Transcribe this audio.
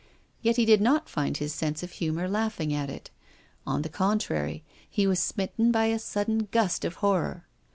Yet he did not find his sense of humour laughing at it. On the con trary, he was smitten by a sudden gust of horror.